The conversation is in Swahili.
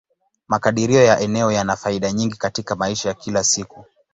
Makadirio ya eneo yana faida nyingi katika maisha ya kila siku.